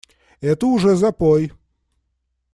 Это уже запой!